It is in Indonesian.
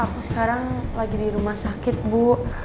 aku sekarang lagi di rumah sakit bu